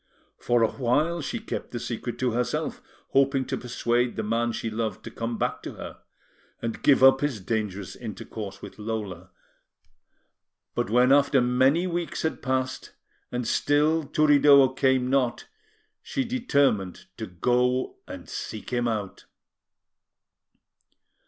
For a while, she kept the secret to herself, hoping to persuade the man she loved to come back to her, and give up his dangerous intercourse with Lola; but when after many weeks had passed, and still Turiddu came not, she determined to go and seek him out.